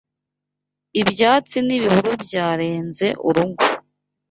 ibyatsi n’ibihuru byarenze urugo